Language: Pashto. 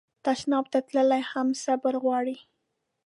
تشناب ته تلل هم صبر غواړي.